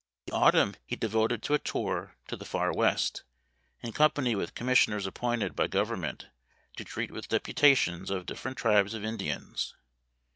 The autumn he devoted to a tour to the Far West, in company with commissioners appointed by Government to treat with deputations of different tribes of Indians.